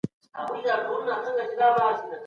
وايي چي په دغه دوره کي د بحث او تفکر لاره تړل سوې وه.